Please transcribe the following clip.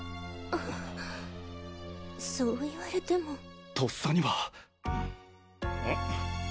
あそう言われても。とっさには。ん？